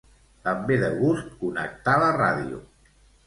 Em ve de gust connectar la ràdio.